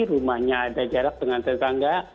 rumahnya ada jarak dengan tetangga